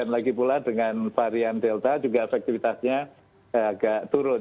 lagipula dengan varian delta juga efektivitasnya agak turun